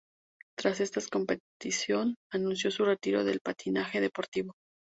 Tras esta competición, anunció su retiro del patinaje deportivo.